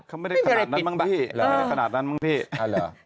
เขาไม่ได้ขนาดนั้นมั้งพี่หรือไม่ได้ขนาดนั้นมั้งพี่เหรอ